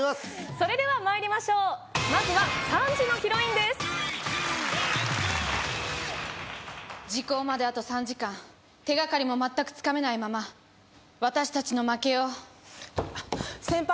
それではまいりましょうまずは３時のヒロインです時効まであと３時間手がかりも全くつかめないまま私たちの負けよ先輩